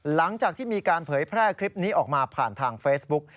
หลังจากที่มีการเผยแพร่คลิปนี้ออกมาผ่านทางเฟซบุ๊ก